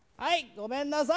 ごめんなさい